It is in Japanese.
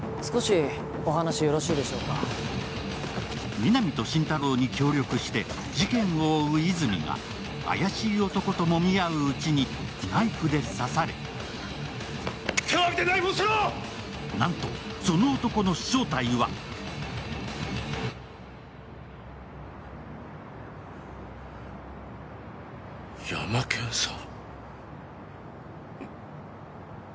皆実と心太朗に協力して事件を追う泉が怪しい男ともみ合ううちにナイフで刺されなんと、その男の正体は泉さん！